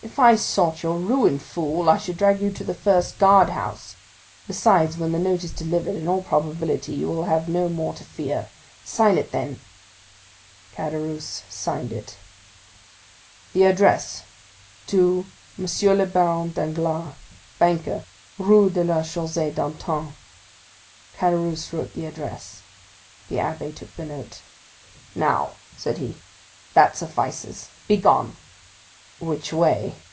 "If I sought your ruin, fool, I should drag you to the first guard house; besides, when that note is delivered, in all probability you will have no more to fear. Sign it, then!" Caderousse signed it. "The address, 'To monsieur the Baron Danglars, banker, Rue de la Chaussée d'Antin.'" Caderousse wrote the address. The abbé took the note. "Now," said he, "that suffices—begone!" "Which way?"